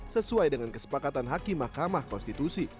sesuai dengan kesepakatan hakim mahkamah konstitusi